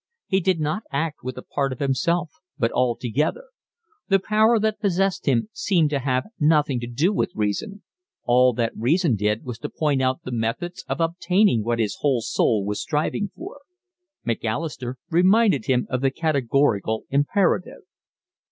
He did not act with a part of himself but altogether. The power that possessed him seemed to have nothing to do with reason: all that reason did was to point out the methods of obtaining what his whole soul was striving for. Macalister reminded him of the Categorical Imperative.